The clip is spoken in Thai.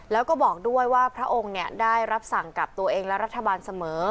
แล้วก็บอกด้วยว่าพระองค์ได้รับสั่งกับตัวเองและรัฐบาลเสมอ